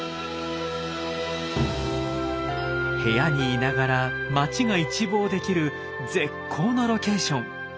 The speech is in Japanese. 部屋にいながら町が一望できる絶好のロケーション。